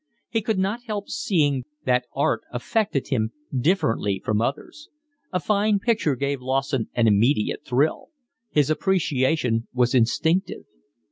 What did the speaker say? He could not help seeing that art affected him differently from others. A fine picture gave Lawson an immediate thrill. His appreciation was instinctive.